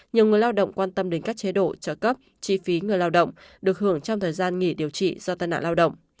nhiều người lao động quan tâm đến các chế độ trợ cấp chi phí người lao động được hưởng trong thời gian nghỉ điều trị do tai nạn lao động